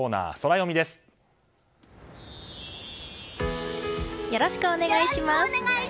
よろしくお願いします！